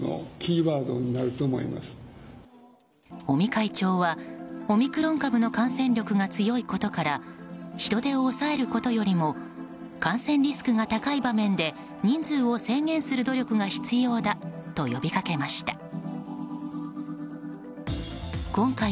尾身会長は、オミクロン株の感染力が強いことから人手を抑えることよりも感染リスクが高い場面で人数を制限する努力が必要だと呼びかけました。